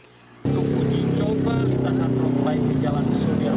untuk uji coba kita satu